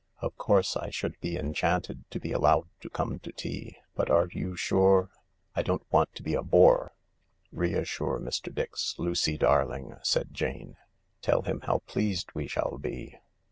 " Of course I should be enchanted to be allowed to come to tea, but are you sure ... I don't want to be a bore." "Reassure Mr. Dix, Lucy darling," said Jane. "Tell him how pleased we shall be."